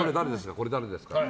これ誰ですかって。